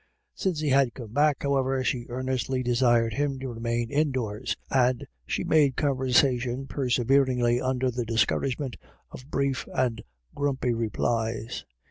Since he had come back, however, she earnestly desired him to remain indoors, and she made con versation perseveringly under the discouragement of brief and grumpy replies.